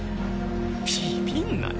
ビビんなよ